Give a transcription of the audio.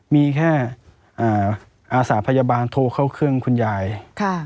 มีแค่อาสาพยาบาลโทรเข้าเครื่องคุณยายค่ะ